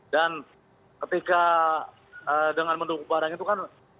dan ketika dengan mendukung barang itu kan